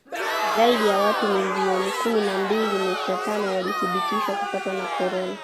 Zaidi ya watu milioni kumi na mbili nukta tano walithibitishwa kupatwa na korona